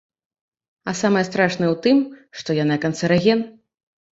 А самае страшнае ў тым, што яна канцэраген.